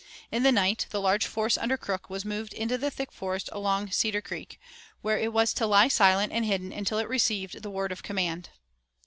In the night the large force under Crook was moved into the thick forest along Cedar Creek, where it was to lie silent and hidden until it received the word of command.